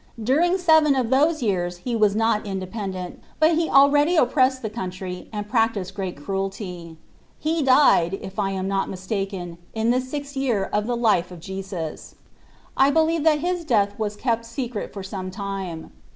During seven of those years he was not independent, but he already oppressed the country and practised great cruelty. He died, if I mistake not, in the sixth year of the life of Jesus. I believe that his death was kept secret for some time.